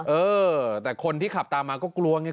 เออแต่คนที่ขับตามมาก็กลัวไง